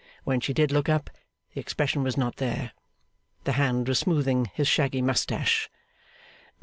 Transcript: When she did look up, the expression was not there. The hand was smoothing his shaggy moustache.